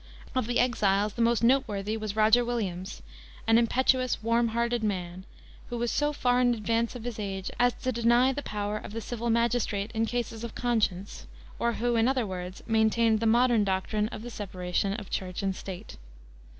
Of the exiles the most noteworthy was Roger Williams, an impetuous, warm hearted man, who was so far in advance of his age as to deny the power of the civil magistrate in cases of conscience, or who, in other words, maintained the modern doctrine of the separation of Church and State.